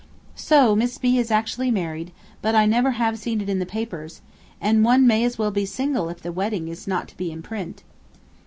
'So, Miss B. is actually married, but I have never seen it in the papers; and one may as well be single if the wedding is not to be in print.'